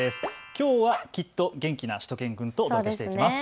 きょうはきっと元気なしゅと犬くんとお届けしていきます。